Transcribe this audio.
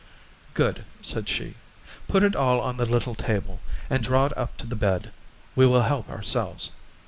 "Good," said she; "put it all on the little table, and draw it up to the bed; we will help ourselves.